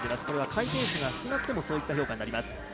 これは回転数が少なくてもそういった評価になります。